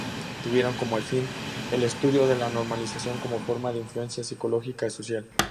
Tuvieron como fin el estudio de la Normalización como forma de influencia psicológico-social.